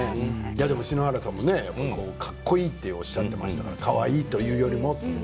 篠原さんも、かっこいいとおっしゃっていましたがかわいいというよりも。